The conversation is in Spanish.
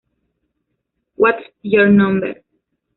What's Your Number?